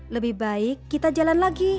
lebih baik kita jalan lagi